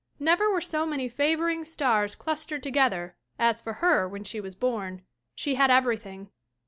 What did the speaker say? Never were so many favoring stars clustered together as for her when she was born. She had everything.